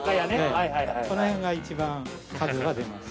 このへんが一番数は出ます。